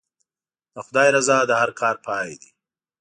د خدای رضا د هر کار پای دی.